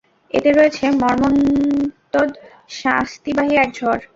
এতে রয়েছে মর্মন্তুদ শাস্তিবাহী এক ঝড়।